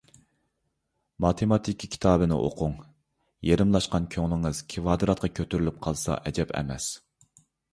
ماتېماتىكا كىتابنى ئوقۇڭ، يېرىملاشقان كۆڭلىڭىز كىۋادراتقا كۆتۈرۈلۈپ قالسا ئەجەب ئەمەس.